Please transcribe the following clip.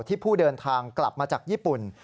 ผู้เดินทางกลับมาจากญี่ปุ่น